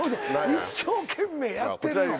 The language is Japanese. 一生懸命やってんの。